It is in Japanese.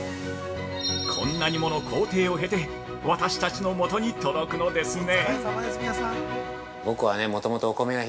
こんなにもの工程を経て私たちのもとに届くのですね。